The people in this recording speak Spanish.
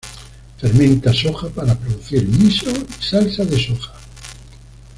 Fermenta soja para producir miso y salsa de soja.